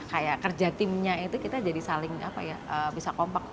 kayak kerja timnya itu kita jadi saling bisa kompak